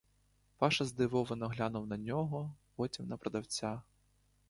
Паша здивовано глянув на нього, потім на продавця.